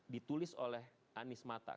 ditulis oleh anies mata